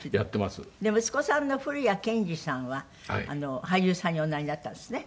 で息子さんの降谷建志さんは俳優さんにおなりになったんですね。